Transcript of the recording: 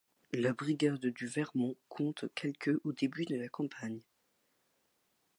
La brigade du Vermont compte quelque au début de la campagne.